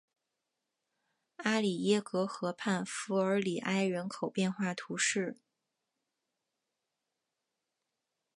阿里耶格河畔弗尔里埃人口变化图示